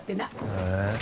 へえ。